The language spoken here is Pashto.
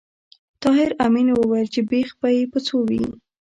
طاهر آمین وویل چې بېخ به یې په څو وي